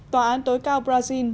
tòa án tối cao brazil